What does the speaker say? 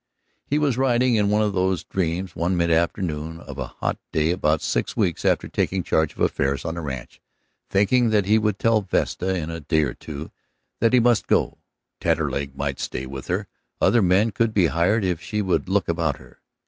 He was riding in one of these dreams one mid afternoon of a hot day about six weeks after taking charge of affairs on the ranch, thinking that he would tell Vesta in a day or two that he must go. Taterleg might stay with her, other men could be hired if she would look about her.